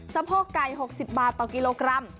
สะโพกไก่๖๐บาทต่อกิโลกรัม